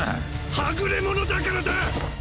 はぐれ者だからだ！